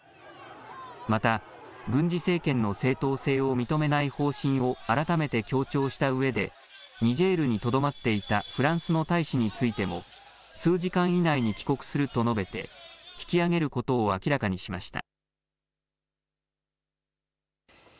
また軍事政権の正当性を認めない方針を改めて強調したうえでニジェールにとどまっていたフランスの大使についても数時間以内に帰国すると述べて引きあげることを明らかにしました。